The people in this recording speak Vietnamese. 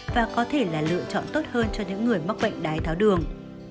và có thể là lựa chọn tốt hơn cho những người mắc bệnh đái tháo đường